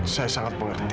saya sangat mengerti